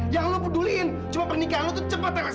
yang lu peduliin cuma pernikahan lu tuh cepat dilaksanakan